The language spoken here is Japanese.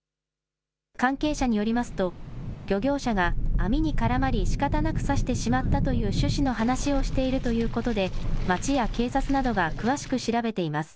関係者によりますと、漁業者が、網にからまりしかたなく刺してしまったという趣旨の話をしているということで、町や警察などが詳しく調べています。